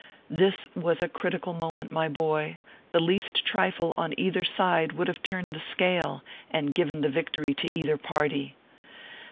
This was a critical moment, my boy ; the least trifle on either side would have turned the scale, and given the victory to either party.